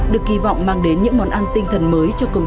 được kỳ vọng mang đến những món ăn tinh thần mới cho công chúng